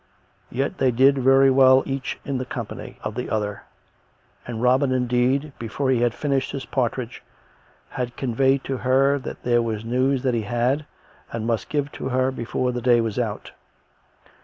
Yet they did very well each in the company of the other; and Robin, indeed, before he had finished his partridge, had conveyed to her that there was news that he had, and must give to her before the day was out.